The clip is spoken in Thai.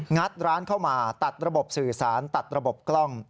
ัดร้านเข้ามาตัดระบบสื่อสารตัดระบบกล้อง